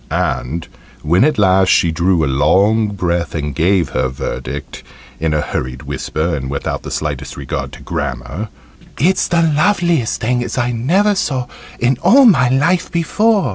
And when at last she drew a long breath, and gave her verdict in a hurried whisper, and without the slightest regard to grammar "It's the loveliest thing as I never saw in all my life before!"